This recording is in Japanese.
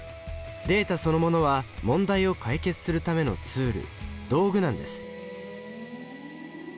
データそのものは問題を解決するためのツール道具なんです。